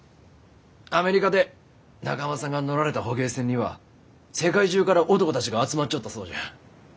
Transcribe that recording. アメリカで中濱さんが乗られた捕鯨船には世界中から男たちが集まっちょったそうじゃ。